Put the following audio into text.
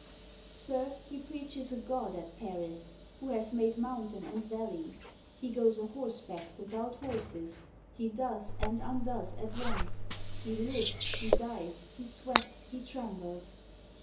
Sir, he preaches a God at Paris Who has made mountain and valley. He goes a horseback without horses. He does and undoes at once. He lives, he dies, he sweats, he trembles.